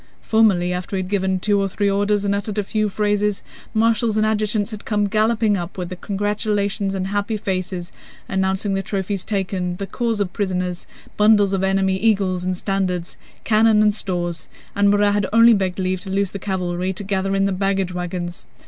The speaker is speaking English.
Formerly, after he had given two or three orders and uttered a few phrases, marshals and adjutants had come galloping up with congratulations and happy faces, announcing the trophies taken, the corps of prisoners, bundles of enemy eagles and standards, cannon and stores, and Murat had only begged leave to loose the cavalry to gather in the baggage wagons.